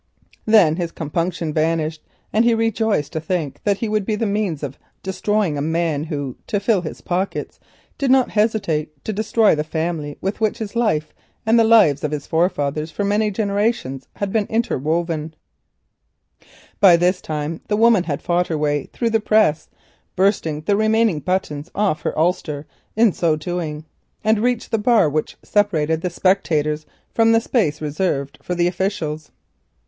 Then his compunction vanished, and he rejoiced to think that he would be the means of destroying a man who, to fill his pockets, did not hesitate to ruin the family with which his life and the lives of his forefathers had been interwoven for many generations. By this time the woman had fought her way through the press, bursting the remaining buttons off her ulster in so doing, and reached the bar which separated spectators from the space reserved for the officials.